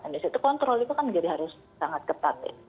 dan di situ kontrol itu kan jadi harus sangat ketat